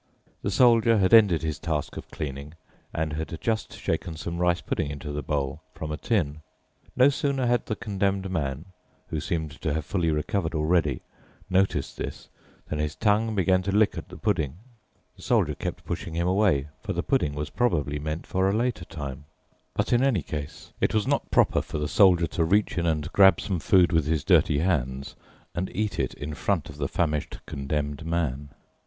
The Soldier had ended his task of cleaning and had just shaken some rice pudding into the bowl from a tin. No sooner had the Condemned Man, who seemed to have fully recovered already, noticed this than his tongue began to lick at the pudding. The Soldier kept pushing him away, for the pudding was probably meant for a later time, but in any case it was not proper for the Soldier to reach in and grab some food with his dirty hands and eat it in front of the famished Condemned Man.